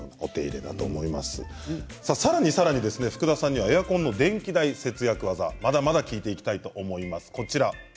さらに福田さんにエアコンの電気代節約技をまだまだ聞いていきたいと思います。